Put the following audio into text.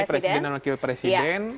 presiden dan wakil presiden